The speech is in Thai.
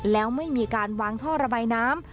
แล้วไม่มีการวางท่อระบายน้ำ